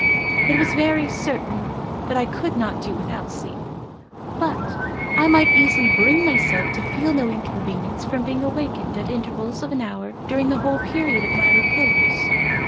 It was very certain that I could not do without sleep; but I might easily bring myself to feel no inconvenience from being awakened at intervals of an hour during the whole period of my repose.